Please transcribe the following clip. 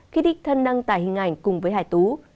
kích thích thân đăng tải hình ảnh cùng với hải tú